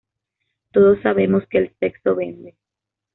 Todos sabemos que el sexo vende".